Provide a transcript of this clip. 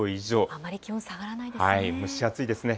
あんまり気温下がらないですね。